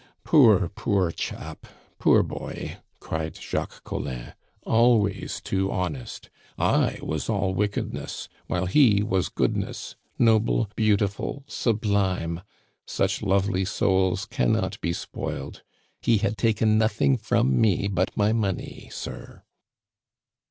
"Poor, poor chap! poor boy!" cried Jacques Collin. "Always too honest! I was all wickedness, while he was goodness noble, beautiful, sublime! Such lovely souls cannot be spoiled. He had taken nothing from me but my money, sir."